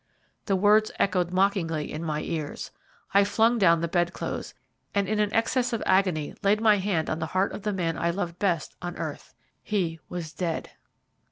The words echoed mockingly in my ears. I flung down the bed clothes, and, in an access of agony, laid my hand on the heart of the man I loved best on earth. He was dead!